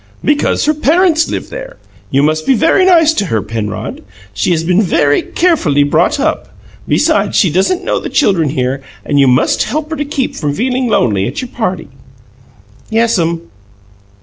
"Because her parents live there. You must be very nice to her, Penrod; she has been very carefully brought up. Besides, she doesn't know the children here, and you must help to keep her from feeling lonely at your party." "Yes'm."